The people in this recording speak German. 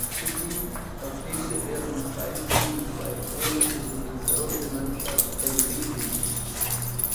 Zudem erzielte er in zwei Spielen zwei Tore für die Reservemannschaft von Lyngby.